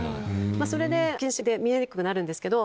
それで近視で見えにくくなるんですけど。